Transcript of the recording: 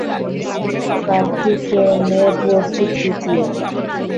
কার্তিকেয়নের Rocky তৃতীয়!